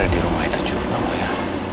ya di rumah itu juga moya